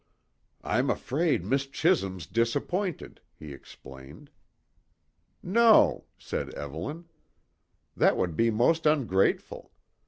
"I'm afraid Miss Chisholm's disappointed," he explained. "No," said Evelyn; "that would be most ungrateful.